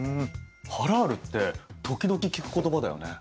「ハラール」って時々聞く言葉だよね。